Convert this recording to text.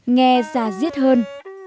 nghe ra riết hơn